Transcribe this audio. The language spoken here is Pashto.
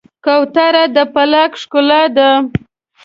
کوتره د پارک ښکلا ده.